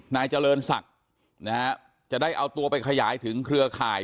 นายเจริญศักดิ์นะฮะจะได้เอาตัวไปขยายถึงเครือข่าย